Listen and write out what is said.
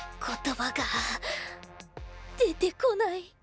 言葉が出てこない。